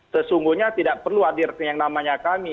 sesungguhnya tidak perlu hadir yang namanya kami